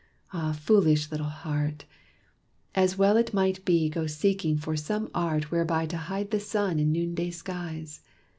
Ah, foolish little heart! As well it might go seeking for some art Whereby to hide the sun in noonday skies.